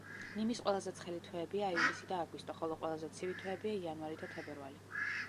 ნიმის ყველაზე ცხელი თვეებია ივლისი და აგვისტო, ხოლო ყველაზე ცივი თვეებია იანვარი და თებერვალი.